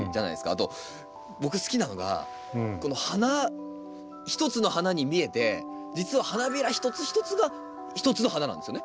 あと僕好きなのがこの花ひとつの花に見えて実は花びらひとつひとつがひとつの花なんですよね。